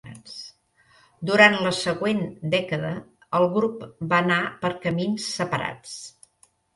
Durant la següent dècada, el grup va anar per camins separats.